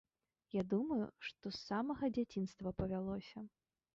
Я думаю, што з самага дзяцінства павялося.